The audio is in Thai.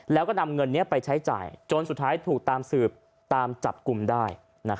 แล้วก็นำเงินนี้ไปใช้จ่ายจนสุดท้ายถูกตามสืบตามจับกลุ่มได้